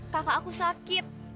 kakak aku sakit